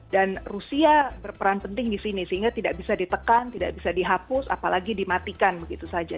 dan rusia berperan penting di sini sehingga tidak bisa ditekan tidak bisa dihapus apalagi dimatikan begitu saja